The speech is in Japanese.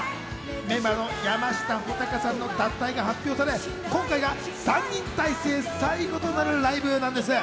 メンバーの山下穂尊さんの脱退が発表され、今回が３人体制最後となるライブなんです。